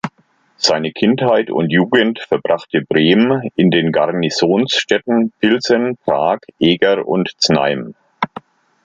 Seine Kindheit und Jugend verbrachte Brehm in den Garnisonsstädten Pilsen, Prag, Eger und Znaim.